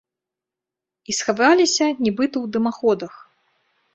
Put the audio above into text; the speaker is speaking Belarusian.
І схаваліся, нібыта, у дымаходах.